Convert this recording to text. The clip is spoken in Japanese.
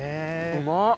うまっ。